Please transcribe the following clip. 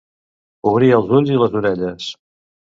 Obrir els ulls i les orelles.